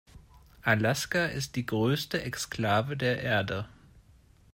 Alaska ist die größte Exklave der Erde.